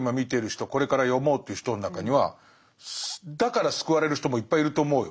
これから読もうという人の中にはだから救われる人もいっぱいいると思うよ。